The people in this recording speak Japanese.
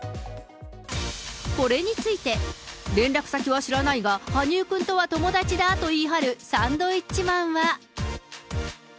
これについて、連絡先は知らないが、羽生君とは友達だと言い張るサンドウィッチマンは。